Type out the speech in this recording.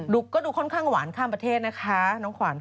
ดูค่อนข้างหวานข้ามประเทศนะคะ